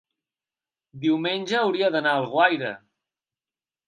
diumenge hauria d'anar a Alguaire.